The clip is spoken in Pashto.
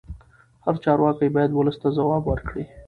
هر چارواکی باید ولس ته ځواب ورکړي